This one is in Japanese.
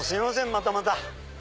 またまた。